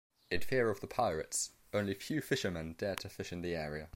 In fear of the pirates, only few fishermen dared to fish in the area.